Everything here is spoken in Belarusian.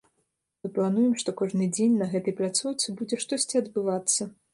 Мы плануем, што кожны дзень на гэтай пляцоўцы будзе штосьці адбывацца.